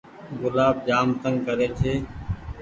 گلآب جآم تنگ ڪري ڇي۔